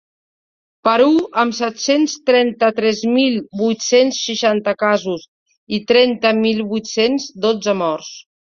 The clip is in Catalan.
Perú, amb set-cents trenta-tres mil vuit-cents seixanta casos i trenta mil vuit-cents dotze morts.